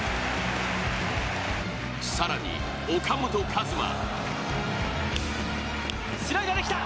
更に岡本和真。